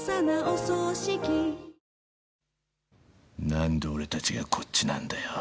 何で俺たちがこっちなんだよ。